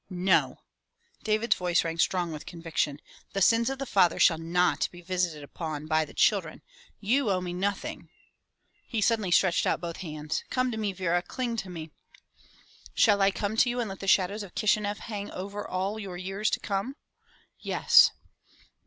"No," David's voice rang strong with conviction. "The sins of the fathers shall not be visited upon the children. You owe me nothing." He suddenly stretched out both hands. "Come to me, Vera! Cling to me!" "Shall I come to you and let the shadows of Kishineff hang over all your years to come?" "Yes."